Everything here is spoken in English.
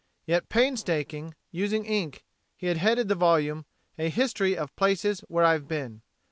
Yet painstaking, using ink, he had headed the volume: "A History of places where I have been."